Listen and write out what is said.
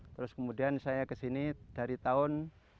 terus kemudian saya kesini dari tahun seribu sembilan ratus delapan puluh enam